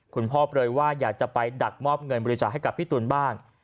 เปลือยว่าอยากจะไปดักมอบเงินบริจาคให้กับพี่ตูนบ้าง